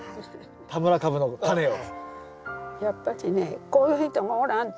田村かぶのタネを。